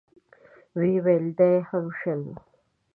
ويې ويل: دا يې هم شل.